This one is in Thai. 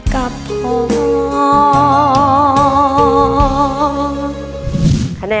ขอบคุณค่ะ